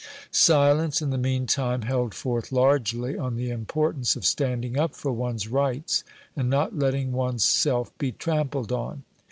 Silence in the mean time held forth largely on the importance of standing up for one's rights, and not letting one's self be trampled on.